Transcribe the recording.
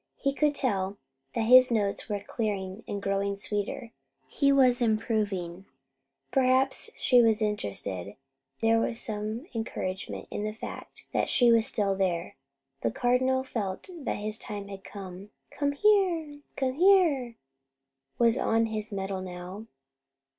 He could tell that his notes were clearing and growing sweeter. He was improving. Perhaps she was interested. There was some encouragement in the fact that she was still there. The Cardinal felt that his time had come. "Come here! Come here!" He was on his mettle now.